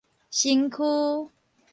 身軀